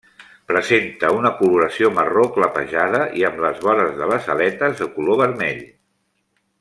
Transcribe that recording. Presenta una coloració marró clapejada i amb les vores de les aletes de color vermell.